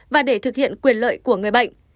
và để thực hiện quyền lợi của người bệnh